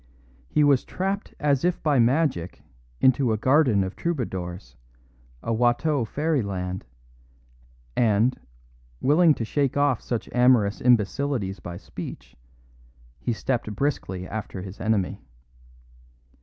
He was trapped as if by magic into a garden of troubadours, a Watteau fairyland; and, willing to shake off such amorous imbecilities by speech, he stepped briskly after his enemy.